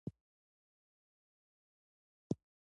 افغانستان د سلیمان غر کوربه دی.